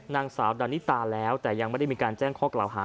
นางสาวดานิตาแล้วแต่ยังไม่ได้มีการแจ้งข้อกล่าวหา